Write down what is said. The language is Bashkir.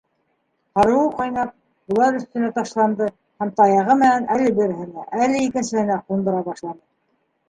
Һарыуы ҡайнап, улар өҫтөнә ташланды һәм таяғы менән әле береһенә, әле икенсеһенә ҡундыра башланы.